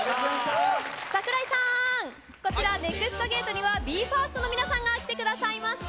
櫻井さん、こちらネクストゲートにはＢＥ：ＦＩＲＳＴの皆さんが来てくださいました。